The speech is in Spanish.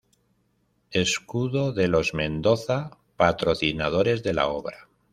Escudo de los Mendoza, patrocinadores de la obra.